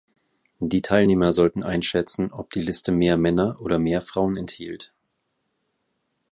Die Teilnehmer sollten einschätzen, ob die Liste mehr Männer oder mehr Frauen enthielt.